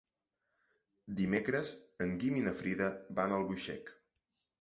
Dimecres en Guim i na Frida van a Albuixec.